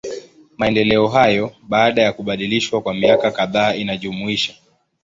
Maendeleo hayo, baada ya kubadilishwa kwa miaka kadhaa inajumuisha.